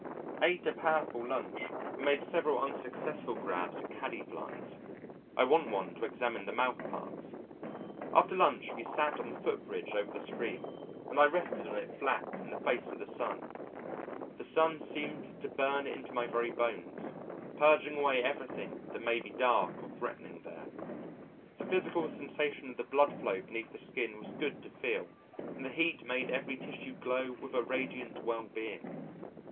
Ate a powerful lunch and made several unsuccessful grabs at Caddie flies. I want one to examine the mouth parts. After lunch we sat on the foot bridge over the stream, and I rested on it flat in the face of the sun. The sun seemed to burn into my very bones, purging away everything that may be dark or threatening there. The physical sensation of the blood flow beneath the skin was good to feel, and the heat made every tissue glow with a radiant well being.